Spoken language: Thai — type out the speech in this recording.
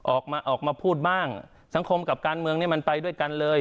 ออกมาออกมาพูดบ้างสังคมกับการเมืองนี้มันไปด้วยกันเลย